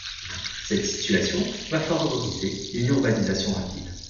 Cette situation va favoriser une urbanisation rapide.